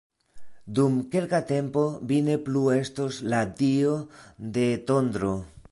Dum kelka tempo vi ne plu estos la Dio de Tondro!